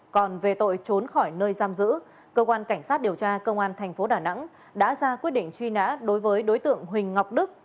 còn về tội trốn khỏi nơi giam giữ cơ quan cảnh sát điều tra công an tp đà nẵng đã ra quyết định truy nã đối với đối tượng huỳnh ngọc đức